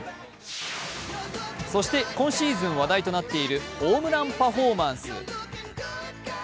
そして、今シーズン話題となっているホームランパフォーマンス。